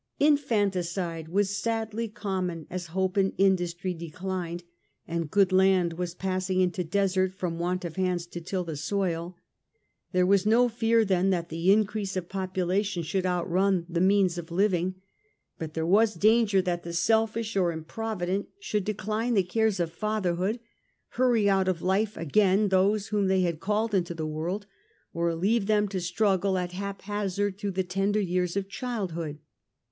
Infanticide was sadly common as hope and industry declined, and good land was passing into desert from want of hands to till the soil. There was no fear then that the increase of popula tion should outrun the means of living ; but there was danger that the selfish or improvident should decline the cares of fatherhood, hurry out of life again statesman those whom they had called into the world, or ship shown leave them to struggle at haphazard through of the cn. the tender years of childhood.